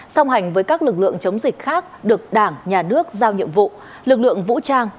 song hành với các lực lượng chống dịch khác được đảng nhà nước giao nhiệm vụ lực lượng vũ trang